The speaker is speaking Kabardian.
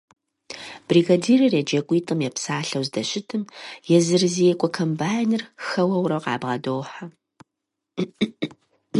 Бригадирыр еджакӀуитӀым епсалъэу здэщытым езырызекӀуэ комбайныр хэуэурэ къабгъэдохьэ.